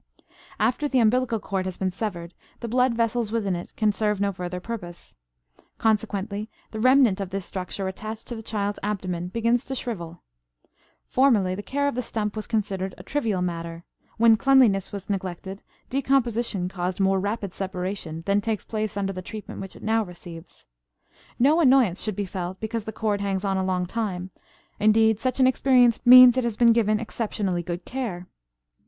After the umbilical cord has been severed the blood vessels within it can serve no further purpose. Consequently the remnant of this structure attached to the child's abdomen begins to shrivel. Formerly the care of the stump was considered a trivial matter; when cleanliness was neglected decomposition caused more rapid separation than takes place under the treatment which it now receives. No annoyance should be felt because the cord hangs on a long time; indeed, such an experience means it has been given exceptionally good care.